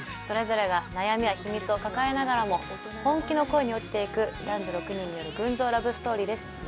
それぞれが悩みや秘密を抱えながらも本気の恋に落ちていく男女６人による群像ラブストーリーです。